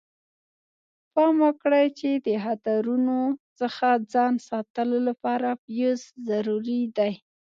پام وکړئ چې د خطرونو څخه ځان ساتلو لپاره فیوز ضروري دی.